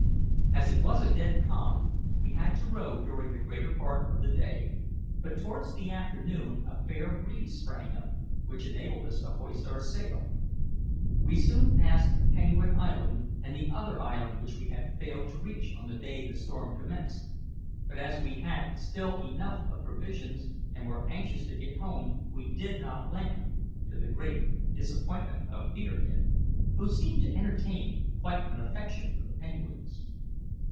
As it was a dead calm, we had to row during the greater part of the day; but towards the afternoon a fair breeze sprang up, which enabled us to hoist our sail. We soon passed Penguin Island and the other island which we had failed to reach on the day the storm commenced; but as we had still enough of provisions, and were anxious to get home, we did not land to the great disappointment of Peterkin, who seemed to entertain quite an affection for the penguins.